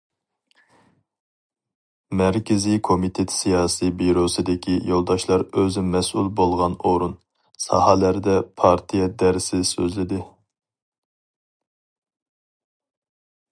مەركىزىي كومىتېت سىياسىي بىيۇروسىدىكى يولداشلار ئۆزى مەسئۇل بولغان ئورۇن، ساھەلەردە پارتىيە دەرسى سۆزلىدى.